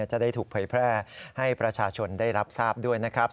จะได้ถูกเผยแพร่ให้ประชาชนได้รับทราบด้วยนะครับ